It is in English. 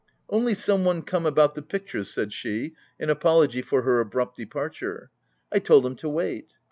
"Only some one come about the pictures,'' said she, in apology for her abrupt departure :" I told him to wait."